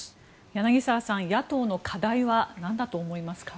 柳澤さん、野党の課題はなんだと思いますか。